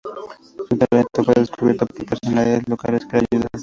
Su talento fue descubierto por personalidades locales que le ayudaron.